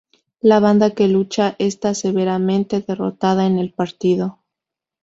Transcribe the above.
La banda que lucha está severamente derrotada en el partido.